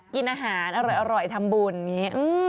กินอาหารอร่อยทำบุญอย่างนี้